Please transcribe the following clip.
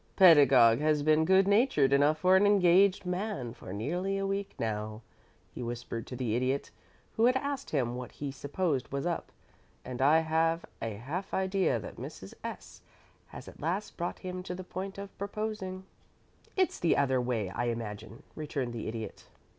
"Pedagog has been good natured enough for an engaged man for nearly a week now," he whispered to the Idiot, who had asked him what he supposed was up, "and I have a half idea that Mrs. S. has at last brought him to the point of proposing." "It's the other way, I imagine," returned the Idiot.